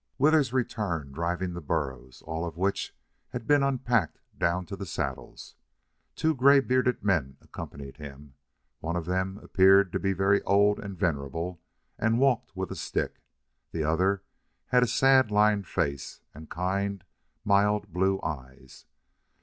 Withers returned, driving the burros, all of which had been unpacked down to the saddles. Two gray bearded men accompanied him. One of them appeared to be very old and venerable, and walked with a stick. The other had a sad lined face and kind, mild blue eyes.